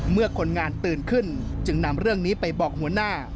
คนงานตื่นขึ้นจึงนำเรื่องนี้ไปบอกหัวหน้า